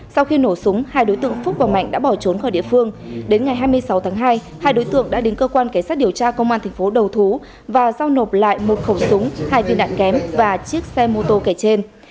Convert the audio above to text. sau khi nổ súng hai đối tượng phúc và mạnh đã bỏ trốn khỏi địa phương đến ngày hai mươi sáu tháng hai hai đối tượng đã đến cơ quan cảnh sát điều tra công an thành phố đầu thú và giao nộp lại một khẩu súng hai viên đạn ghém và chiếc xe mô tô kể trên